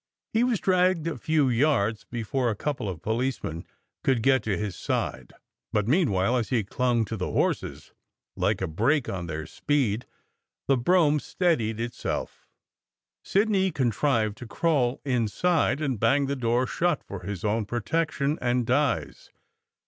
He was dragged a few yards before a couple of policemen could get to his side; but meanwhile, as he clung to the horses, like a brake on their speed, the brougham steadied itself. Sidney con trived to crawl inside and bang the door shut, for his own protection and Di s.